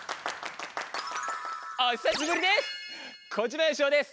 お久しぶりです！